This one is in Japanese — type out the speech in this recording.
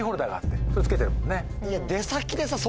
それつけてるもんね？